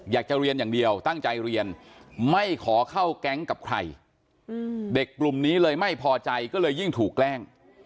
อยากจะเรียนอย่างเดียวตั้งใจเรียนไม่ขอเข้าแก๊งกับใครเด็กกลุ่มนี้เลยไม่พอใจก็เลยยิ่งถูกแกล้ง